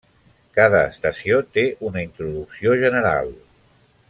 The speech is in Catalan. Cada estació té una introducció general.